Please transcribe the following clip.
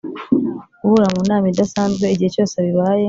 Guhura mu nama idasanzwe igihe cyose bibaye